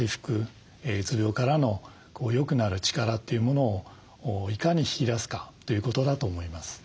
うつ病からのよくなる力というものをいかに引き出すかということだと思います。